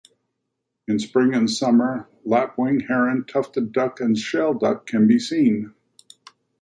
In spring and summer, lapwing, heron, tufted duck and shelduck can be seen.